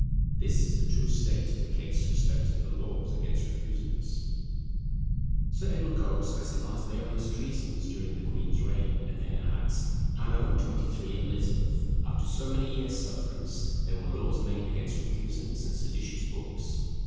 This is the true state of the case respecting the laws against recusants. Sir Edward Coke specifies various treasons during the queen's reign, and then adds: "Anno XXIII. Eliz. after so many years sufferance, there were laws made against recusants and seditious books."